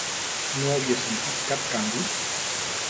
No havia sentit cap canvi?